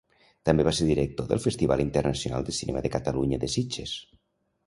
També va ser director del Festival Internacional de Cinema de Catalunya de Sitges.